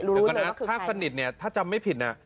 ลูกรู้เลยว่าคือใครถ้าสนิทถ้าจำไม่ผิด